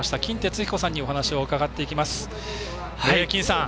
金哲彦さんにお話を伺っていきます。